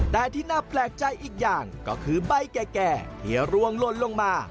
แต่ที่น่าแปลกใจอีกอย่างก็คือใบแก่ที่รวงลนลงมา